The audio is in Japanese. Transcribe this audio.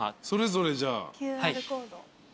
それぞれじゃあ。